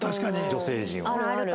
女性陣は。